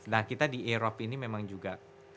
nah kita di erop ini memang juga